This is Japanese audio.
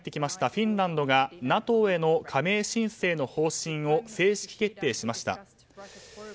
フィンランドがＮＡＴＯ加盟の方針を正式決定しました。